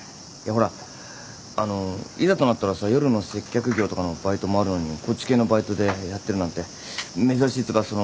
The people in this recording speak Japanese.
いやほらあのいざとなったらさ夜の接客業とかのバイトもあるのにこっち系のバイトでやってるなんて珍しいっつうか